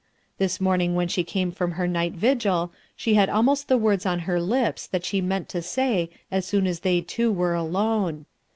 This morning when she came from her night vigil, she had almost the words on her lips that she meant to say as soon as they two were alone.